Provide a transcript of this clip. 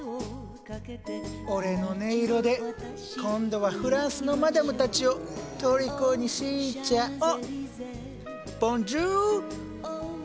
俺の音色で今度はフランスのマダムたちをとりこにしちゃお。